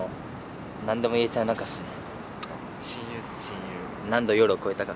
何でも言えちゃう仲っすね。